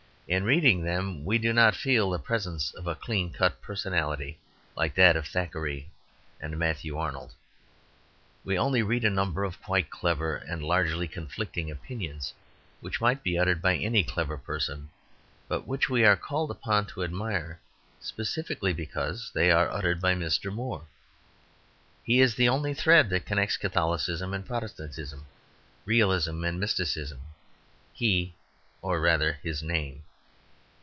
In reading them we do not feel the presence of a clean cut personality like that of Thackeray and Matthew Arnold. We only read a number of quite clever and largely conflicting opinions which might be uttered by any clever person, but which we are called upon to admire specifically, because they are uttered by Mr. Moore. He is the only thread that connects Catholicism and Protestantism, realism and mysticism he or rather his name.